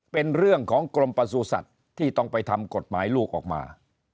เป็นเรื่องของกรมประสุทธิ์ที่ต้องไปทำกฎหมายลูกออกมา